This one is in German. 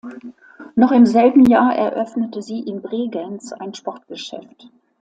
Noch im selben Jahr eröffnete sie in Bregenz ein Sportgeschäft.